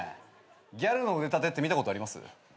ギャルの腕立てって見たことあります？